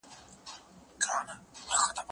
زه به اوږده موده موټر کار کړی وم